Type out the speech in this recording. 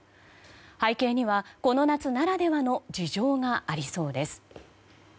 背景には、この夏ならではの事情がありそうです。